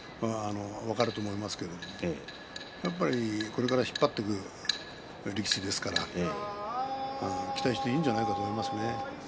分かると思いますけれどもこれから引っ張っていく力士ですから期待していいんじゃないかなと思いますけどね。